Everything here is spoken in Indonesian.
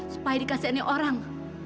supaya dikasihannya orang